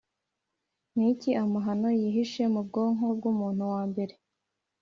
niki amahano yihishe mu bwonko bwa muntu wa mbere